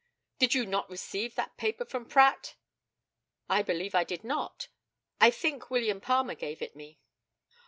Did you not receive that paper from Pratt? I believe I did not. I think William Palmer gave it me.